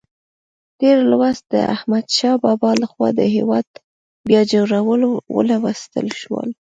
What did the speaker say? تېر لوست د احمدشاه بابا لخوا د هېواد بیا جوړول ولوستل شول.